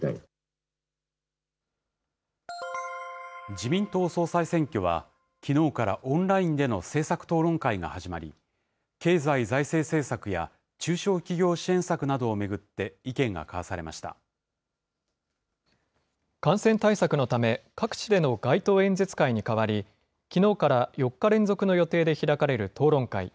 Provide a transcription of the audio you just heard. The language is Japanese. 自民党総裁選挙は、きのうからオンラインでの政策討論会が始まり、経済・財政政策や中小企業支援策などを巡って意見が交わされまし感染対策のため各地での街頭演説会に代わり、きのうから４日連続の予定で開かれる討論会。